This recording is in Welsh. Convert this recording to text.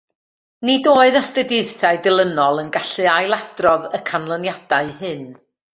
Nid oedd astudiaethau dilynol yn gallu ailadrodd y canlyniadau hyn.